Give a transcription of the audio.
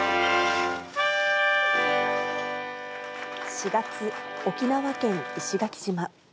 ４月、沖縄県石垣島。